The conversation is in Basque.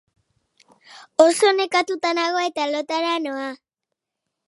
Zenbat eta bankuen etekin handiagoak, orduan eta ekonomia makalago.